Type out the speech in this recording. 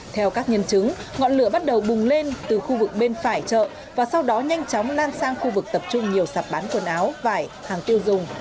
theo các nhân chứng ngọn lửa bắt đầu bùng lên từ khu vực bên phải chợ và sau đó nhanh chóng lan sang khu vực tập trung nhiều sạp bán quần áo vải hàng tiêu dùng